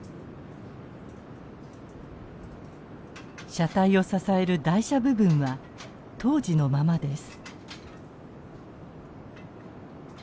車体を支える台車部分は当時のままです。